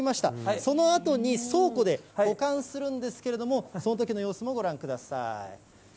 そのあとに、倉庫で保管するんですけれども、そのときの様子もご覧ください。